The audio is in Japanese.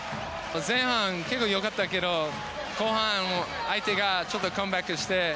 前半は結構良かったけど後半、相手がちょっとカムバックして。